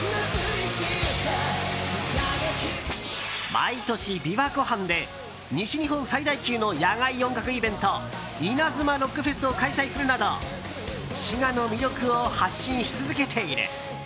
毎年、琵琶湖畔で西日本最大級の野外音楽イベントイナズマロックフェスを開催するなど滋賀の魅力を発信し続けている。